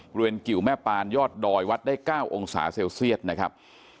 กิวแม่ปานยอดดอยวัดได้๙องศาเซลเซียตนะครับ